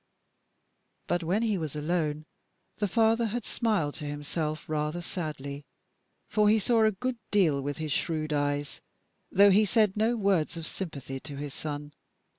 But when he was alone the father had smiled to himself rather sadly for he saw a good deal with his shrewd eyes, though he said no words of sympathy to his son.